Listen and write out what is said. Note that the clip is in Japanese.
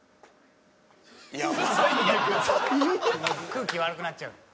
「空気悪くなっちゃうのよ」